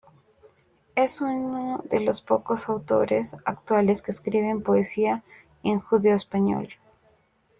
Es uno de los pocos autores actuales que escriben poesía en judeoespañol.